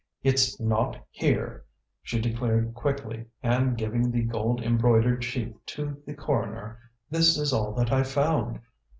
"It's not here," she declared quickly and giving the gold embroidered sheath to the coroner; "this is all that I found.